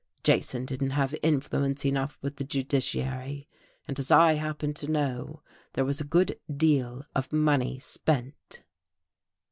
Jason didn't have influence enough with the judiciary, and, as I happen to know, there was a good deal of money spent."